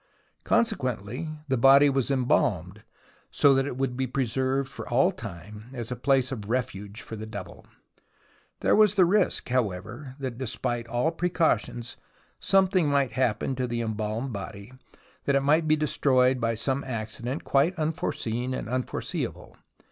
Consequently the body was embalmed, so that it would be pre served for all time as a place of refuge for the double. There was the risk, however, that despite all precautions, something might happen to the embalmed body, that it might be destroyed by some accident quite unforeseen and unforeseeable.